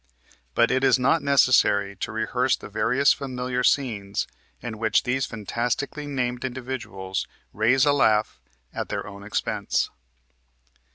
But it is not necessary to rehearse the various familiar scenes in which these fantastically named individuals raise a laugh at their own expense.